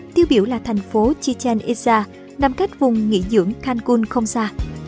tiêu biểu là thành phố chichen itza nằm cách vùng nghỉ dưỡng cancun không xa